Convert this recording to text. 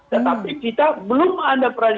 tetapi kita belum ada peran